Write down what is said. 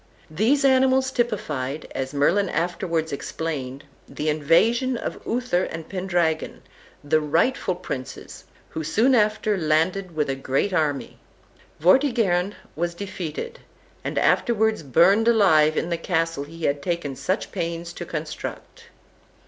These animals typified, as Merlin afterwards explained, the invasion of Uther and Pendragon, the rightful princes, who soon after landed with a great army. Vortigern was defeated, and afterwards burned alive in the castle he had taken such pains to construct.